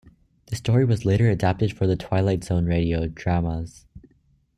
The story was later adapted for The Twilight Zone Radio Dramas'.